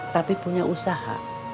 tapi punya usaha